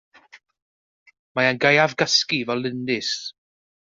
Mae'n gaeafgysgu fel lindys.